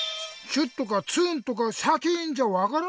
シュッとかツーンとかシャキーンじゃわからないよ。